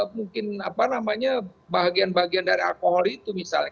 mungkin apa namanya bahagian bahagian dari alkohol itu misalnya